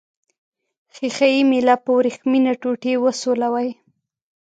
ښيښه یي میله په وریښمینه ټوټې وسولوئ.